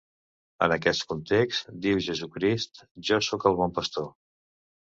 En aquest context, diu Jesucrist, Jo soc el bon pastor.